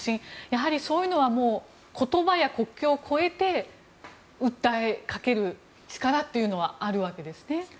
やはりそういうのは言葉や国境を超えて訴えかける力というのはあるわけですね。